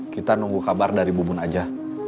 kita nunggu kabar dari bu bun aja